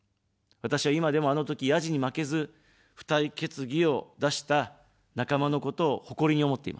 私は今でも、あのとき、ヤジに負けず、付帯決議を出した仲間のことを誇りに思っています。